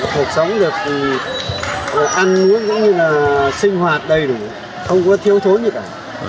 cuộc sống được ăn uống cũng như là sinh hoạt đầy đủ không có thiếu thối gì cả